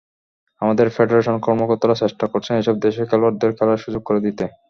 আমাদের ফেডারেশন কর্মকর্তারা চেষ্টা করছেন এসব দেশে খেলোয়াড়দের খেলার সুযোগ করে দিতে।